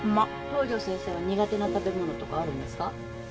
東上先生は苦手な食べ物とかあるんですか？